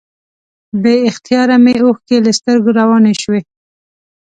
بې اختیاره مې اوښکې له سترګو روانې شوې.